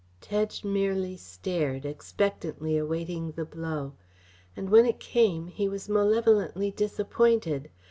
Tedge merely stared, expectantly awaiting the blow. And when it came he was malevolently disappointed.